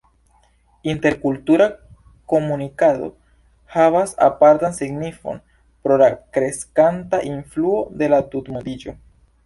Interkultura komunikado havas apartan signifon pro la kreskanta influo de la tutmondiĝo.